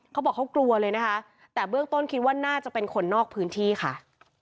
เขาบอกเขากลัวเลยนะคะแต่เบื้องต้นคิดว่าน่าจะเป็นคนนอกพื้นที่ค่ะ